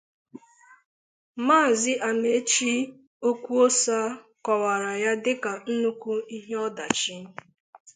Maazị Amaechi Okwuosa kọwàrà ya dịka nnukwu ihe ọdachi